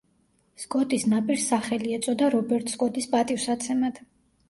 სკოტის ნაპირს სახელი ეწოდა რობერტ სკოტის პატივსაცემად.